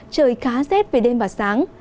trời khá rét về đêm và sáng